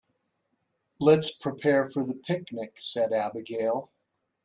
"Let's prepare for the picnic!", said Abigail.